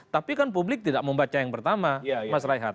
tapi kan publik tidak membaca yang pertama mas raihat